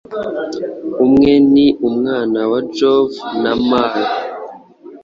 Umwe ni Umwana wa Jove, wa Mar